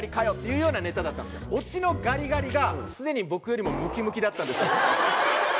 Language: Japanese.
オチのガリガリが僕よりもムキムキだったんですよ。